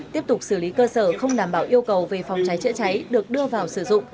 tiếp tục xử lý cơ sở không đảm bảo yêu cầu về phòng cháy chữa cháy được đưa vào sử dụng